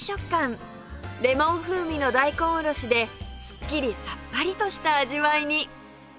レモン風味の大根おろしですっきりさっぱりとした味わいに